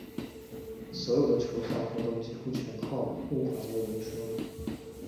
所有的筹款活动几乎全靠募款人的游说。